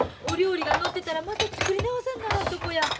お料理がのってたらまた作り直さんならんとこや。